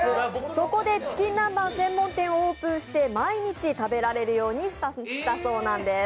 そこでチキン南蛮専門店をオープンして毎日食べられるようにしたそうなんです。